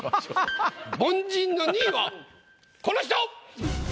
凡人の２位はこの人！